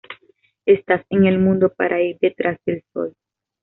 Estás en el mundo para ir detrás del sol.